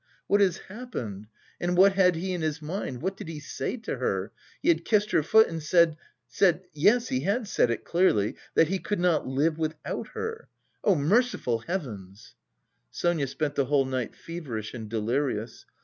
What has happened? And what had he in his mind? What did he say to her? He had kissed her foot and said... said (yes, he had said it clearly) that he could not live without her.... Oh, merciful heavens!" Sonia spent the whole night feverish and delirious.